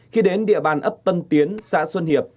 khi đến địa bàn ấp tân tiến xã xuân hiệp